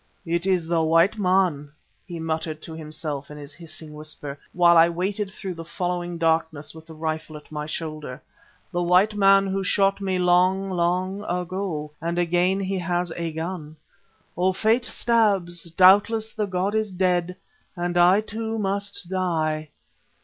"It is the white man," he muttered to himself in his hissing whisper, while I waited through the following darkness with the rifle at my shoulder, "the white man who shot me long, long ago, and again he has a gun! Oh! Fate stabs, doubtless the god is dead and I too must die!"